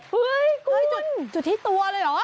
เฮ้ยกุ้ยจุดที่ตัวเลยเหรอ